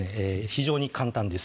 非常に簡単です